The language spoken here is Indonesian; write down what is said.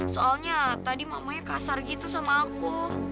soalnya tadi mamanya kasar gitu sama aku